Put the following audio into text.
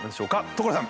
所さん！